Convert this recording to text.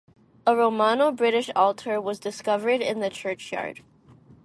A Romano-British altar was discovered in the churchyard.